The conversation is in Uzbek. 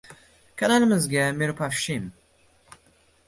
Kanalimizga Mirupafshim! 👇👇👇